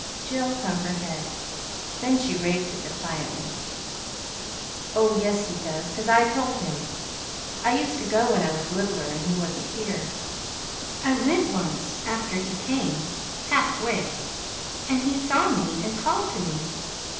Jill hung her head. Then she raised it defiantly. "Oh, yes, he does, 'cause I told him. I used to go when I was littler and he wasn't here. I went once, after he came, halfway, and he saw me and called to me.